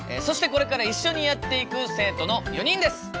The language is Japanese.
そしてこれから一緒にやっていく生徒の４人です！